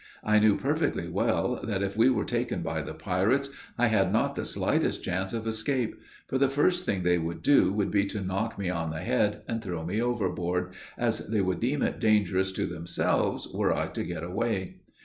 I knew perfectly well, that if we were taken by the pirates, I had not the slightest chance of escape; for the first thing they would do, would be to knock me on the head and throw me overboard, as they would deem it dangerous to themselves were I to get away.